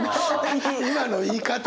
今の言い方！